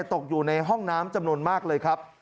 ตกอยู่ในห้องน้ำจำนวนมากเลยครับ